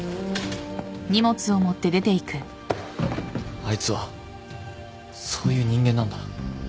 あいつはそういう人間なんだ。